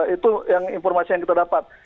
itu informasi yang kita dapat